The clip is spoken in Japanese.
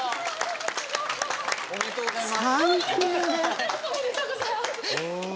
もうおめでとうございます